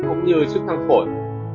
cũng như sức thăng phổi